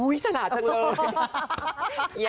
อุ๊ยฉลาดจังเลย